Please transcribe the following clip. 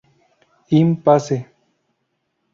In pace!